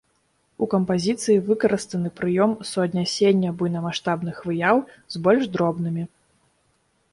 У кампазіцыі выкарыстаны прыём суаднясення буйнамаштабных выяў з больш дробнымі.